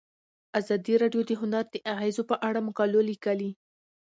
ازادي راډیو د هنر د اغیزو په اړه مقالو لیکلي.